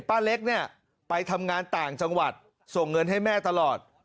ป้าเล็กเนี่ยไปทำงานต่างจังหวัดส่งเงินให้แม่ตลอด